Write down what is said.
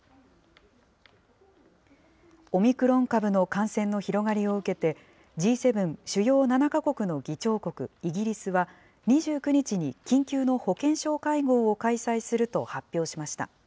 オミクロン株の感染の広がりを受けて、Ｇ７・主要７か国の議長国、イギリスは２９日に緊急の保健相会合を開催すると発表しました。